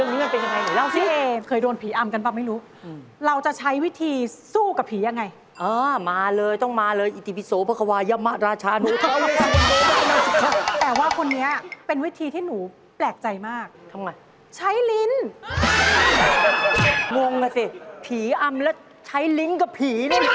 เรื่องนี้มันเป็นอย่างไรหนูเล่าสิ